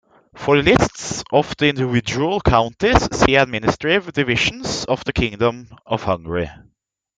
For lists of the individual counties, see Administrative divisions of the Kingdom of Hungary.